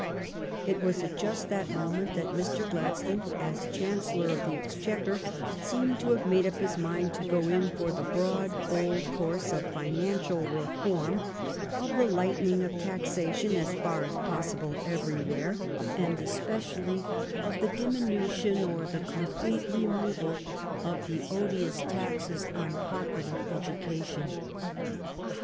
It was at just that moment that Mr. Glad stone as Chancellor of the Exchequer seemed to have made up his mind to go in for the broad, bold course of financial reform, of the lightening of taxation as far as possible everywhere, and especially of the diminution or the complete re moval of the odious taxes on popular education.